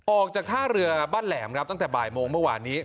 ออกจากท่าเรือบ้านแหลมครับตั้งแต่บ่ายโมงเมื่อวานนี้